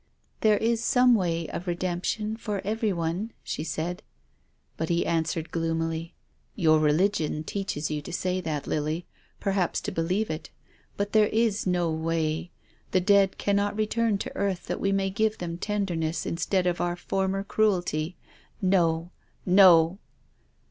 " There is some way of redemption for every one," she said. But he answered gloomily :" Your religion teaches you to say that, Lily, perhaps to believe it. But there is no way. The dead cannot return to earth that we may give them tenderness instead of our former cruelty. No— no